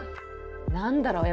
何だろう